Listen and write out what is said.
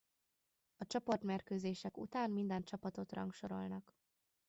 A csoportmérkőzések után minden csapatot rangsorolnak.